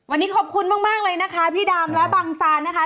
วันนี้ขอบคุณมากเลยนะคะพี่ดามและบังซานนะคะ